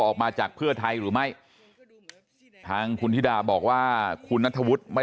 ออกมาจากเพื่อไทยหรือไม่ทางคุณธิดาบอกว่าคุณนัทธวุฒิไม่